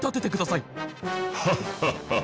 ハッハッハ！